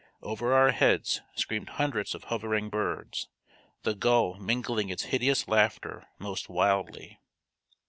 Over our heads screamed hundreds of hovering birds, the gull mingling its hideous laughter most wildly.